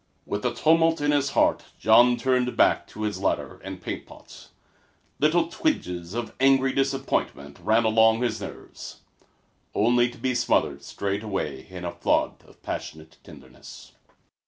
With a tumult in his heart Jean turned back to his ladder and paint pot. Little twinges of angry disappointment ran along his nerves, only to be smothered straightway in a flood of passionate tenderness.